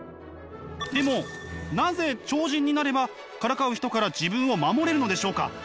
でもなぜ超人になればからかう人から自分を守れるのでしょうか？